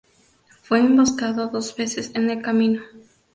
Fue emboscado dos veces en el camino.